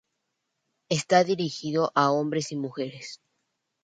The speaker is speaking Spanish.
Está dirigido a hombres y mujeres.